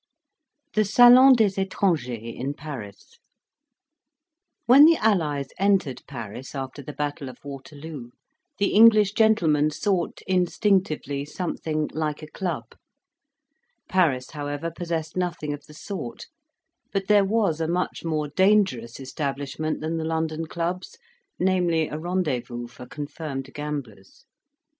THE SALON DES ETRANGERS IN PARIS When the allies entered Paris, after the Battle of Waterloo, the English gentlemen sought, instinctively, something like a club. Paris, however, possessed nothing of the sort; but there was a much more dangerous establishment than the London clubs, namely, a rendezvous for confirmed gamblers.